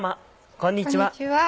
こんにちは。